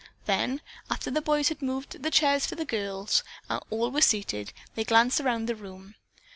Then, after the boys had moved the chairs out for the girls and all were seated, they glanced about the room.